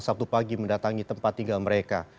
sabtu pagi mendatangi tempat tinggal mereka